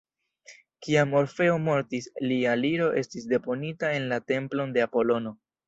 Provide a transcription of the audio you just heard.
Kiam Orfeo mortis, lia liro estis deponita en la templon de Apolono.